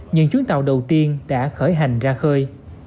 những chuyến tàu đầu tiên đã khởi hành ra khơi